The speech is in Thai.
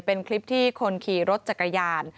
เป็นคลิปที่คนขี่รถจักรยาน